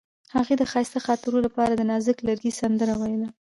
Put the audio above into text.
هغې د ښایسته خاطرو لپاره د نازک لرګی سندره ویله.